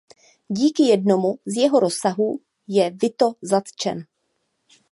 Díky jednomu z jeho rozkazů je Vito zatčen.